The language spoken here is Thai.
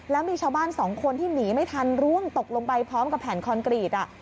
แล้วมีชาวบ้านสองคนที่หนีไม่ทันร่วงตกลงไปพร้อมกับแผ่นคอนกรีต